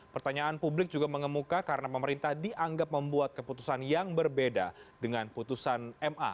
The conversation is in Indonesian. pertanyaan publik juga mengemuka karena pemerintah dianggap membuat keputusan yang berbeda dengan putusan ma